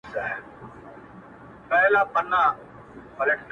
زه يې غندم زه يـې يــــــادومه پـــــه شـــــعــــرونو كــي.